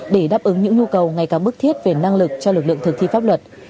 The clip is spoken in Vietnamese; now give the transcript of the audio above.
để đáp ứng những nhu cầu ngày càng bức thiết về năng lực cho lực lượng thực thi pháp luật